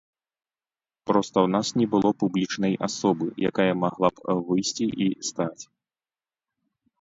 Проста ў нас не было публічнай асобы, якая магла б выйсці і стаць.